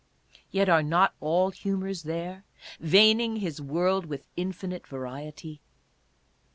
Yet are not all humors there, veining his world with " infinite variety